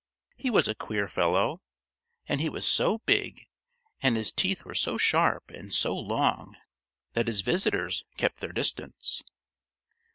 He was a queer fellow, and he was so big, and his teeth were so sharp and so long, that his visitors kept their distance.